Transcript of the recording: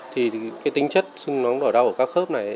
thì tính chất xưng nóng đỏ đau của các khớp này